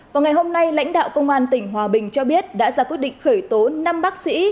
vào ngày hôm nay lãnh đạo công an tỉnh hòa bình cho biết đã ra quyết định khởi tố năm bác sĩ